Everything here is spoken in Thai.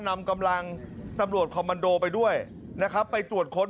นำกำลังตำรวจคอมมันโดไปด้วยนะครับไปตรวจค้น